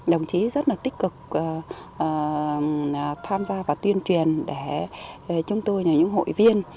đồng chí rất là tích cực tham gia và tuyên truyền để chúng tôi là những hội viên